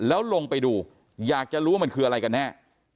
แล้วลงไปดูอยากจะรู้ว่ามันคืออะไรกันแน่